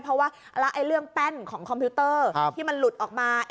เพราะว่าแล้วเรื่องแป้นของคอมพิวเตอร์ที่มันหลุดออกมา